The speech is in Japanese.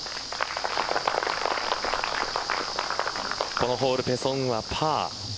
このホールペ・ソンウはパー。